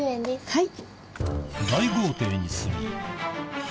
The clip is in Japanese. はい。